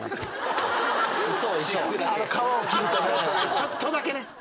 ちょっとだけね。